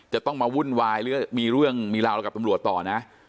จะต้องมาวุ่นวายหรือมีเรื่องมีราวอะไรกับตำรวจต่อนะ